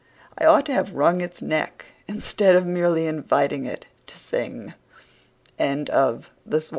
I ought to have wrung its neck instead of merely inviting it to sing." THE SNAKE AND JU